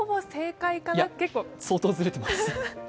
いや、相当ずれてます。